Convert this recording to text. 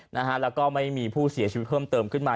นะฮะแล้วก็ไม่มีผู้เสียชีวิตเพิ่มเติมขึ้นมา